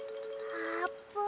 あーぷん？